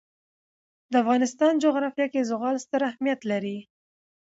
د افغانستان جغرافیه کې زغال ستر اهمیت لري.